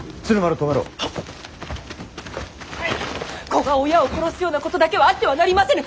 子が親を殺すようなことだけはあってはなりませぬ！